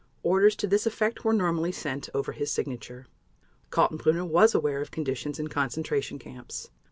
Orders to this effect were normally sent over his signature. Kaltenbrunner was aware of conditions in concentration camps.